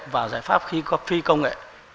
và giải pháp phi công nghệ